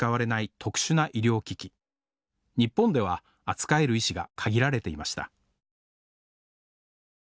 日本では扱える医師が限られていました